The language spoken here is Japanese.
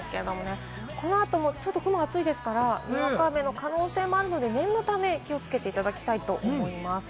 このあとも雲が厚いですから、また雨の可能性もあるので念のため気をつけていただきたいと思います。